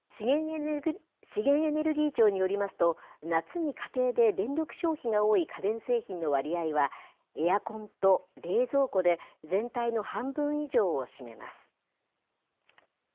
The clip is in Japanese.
資源エネルギー庁によりますと、夏に家庭で電力消費の多い家電製品の割合は、エアコンと冷蔵庫で全体の半分以上を占めます。